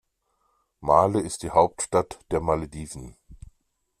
Malé ist die Hauptstadt der Malediven.